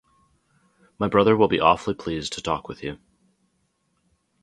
My brother will be awfully pleased to talk with you.